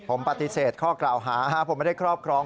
ผมปฏิเสธข้อกล่าวหาผมไม่ได้ครอบครอง